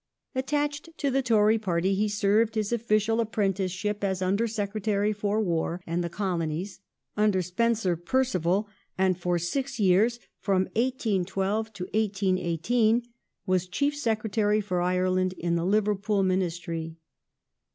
Attached to the Tory party he served his official apprenticeship as Under Secretary for War and the Colonies under Spencer Perceval, and for six years (1812 1818) was Chief Secretary for Ireland in the Liverpool Ministry.